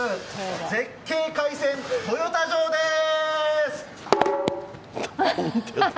絶景海鮮豊田城でーす！